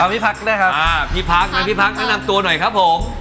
พี่พักพี่พักพี่พักนะนำตัวหน่อยครับ